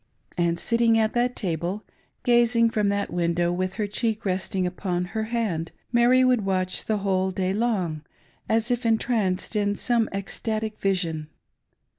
And sitting at that A CHANGED MAI*, 565 table, gating from that window, with her" cheek resting upon her hand, Mary would watch the whole day long as if en tranced in some ecstatic vision.